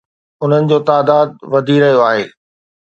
انهن جو تعداد وڌي رهيو آهي